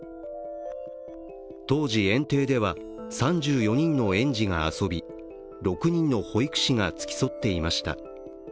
当時、園庭では３４人の園児が遊び６人の保育士が付き添っていました。